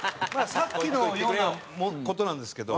さっきのような事なんですけど。